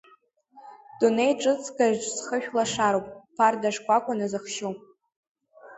Дунеи ҿыцкаҿ схышә лашароуп, ԥарда шкәакәа назыхшьу.